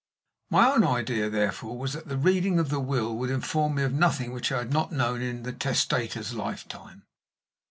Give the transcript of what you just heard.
My own idea, therefore, was, that the reading of the will would inform me of nothing which I had not known in the testator's lifetime.